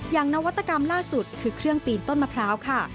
นวัตกรรมล่าสุดคือเครื่องปีนต้นมะพร้าวค่ะ